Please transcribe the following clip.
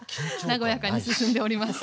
和やかに進んでおります。